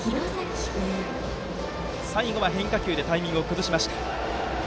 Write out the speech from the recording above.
最後は変化球でタイミングを崩しました。